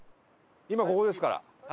今ここですから。